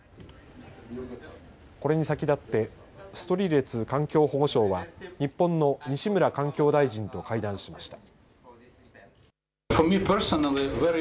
これに先立ってストリレツ環境保護相は日本の西村環境大臣と会談しました。